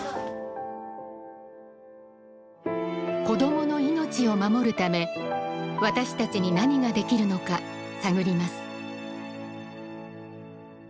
子どもの命を守るため私たちに何ができるのか探ります。